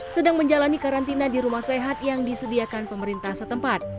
sedang menjalani karantina di rumah sehat yang disediakan pemerintah setempat